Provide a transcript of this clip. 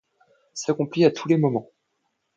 S'accomplit à tous les moments.